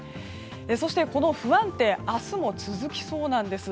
そして、不安定は明日も続きそうなんです。